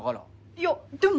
いやでも。